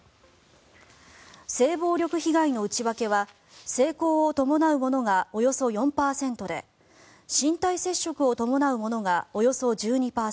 性暴力被害の内訳は性交を伴うものがおよそ４％で身体接触を伴うものがおよそ１２％